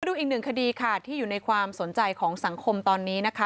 ดูอีกหนึ่งคดีค่ะที่อยู่ในความสนใจของสังคมตอนนี้นะคะ